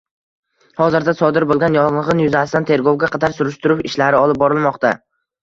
Hozirda sodir bo‘lgan yong‘in yuzasidan tergovga qadar surishtiruv ishlari olib borilmoqda